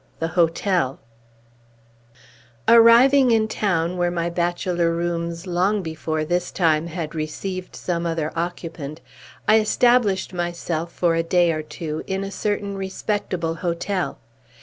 XVII. THE HOTEL Arriving in town (where my bachelor rooms, long before this time, had received some other occupant), I established myself, for a day or two, in a certain, respectable hotel.